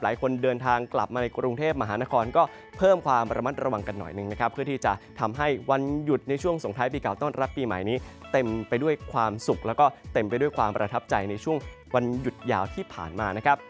หลายคนเดินทางกลับมาในกรุงเทพมหานครก็เพิ่มความระมัดระวังกันหน่อยหนึ่งนะครับเพื่อที่จะทำให้วันหยุดในช่วงสงท้ายปีเก่าต้อนรับปีใหม่นี้เต็มไปด้วยความสุขแล้วก็เต็มไปด้วยความประทับใจในช่วงวันหยุดยาวที่ผ่านมานะครับ